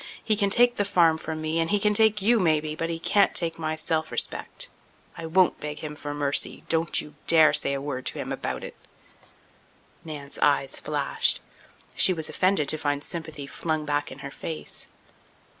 He can take the farm from me, and he can take you maybe, but he can't take my self respect. I won't beg him for mercy. Don't you dare to say a word to him about it." Nan's eyes flashed. She was offended to find her sympathy flung back in her face.